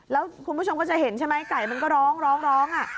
แล้วคุณผู้ชมก็จะเห็นใช่ไหมไก่มันก็ร้องร้อง